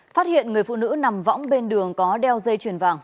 phát hiện người phụ nữ nằm võng bên đường có đeo dây chuyền vàng